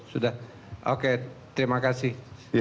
sudah oke terima kasih